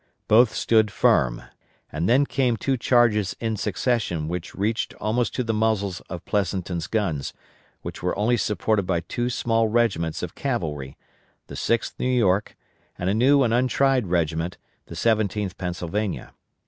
Both stood firm, and then came two charges in succession which reached almost to the muzzles of Pleasonton's guns, which were only supported by two small regiments of cavalry the 6th New York, and a new and untried regiment, the 17th Pennsylvania.